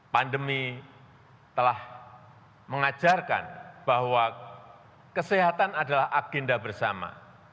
pandemi telah mengajarkan bahwa kesehatan adalah agenda bersama